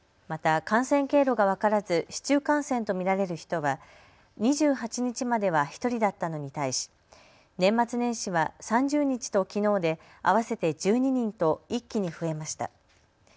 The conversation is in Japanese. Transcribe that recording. また感染経路が分からず市中感染と見られる人は２８日までは１人だったのに対し年末年始は３０日ときのうで合わせて１２人と一気に増えました。